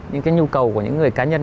những cái nhu cầu của những người cá nhân